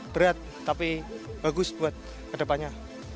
berat tapi bagus buat kedepannya